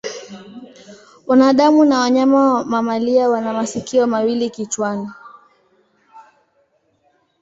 Wanadamu na wanyama mamalia wana masikio mawili kichwani.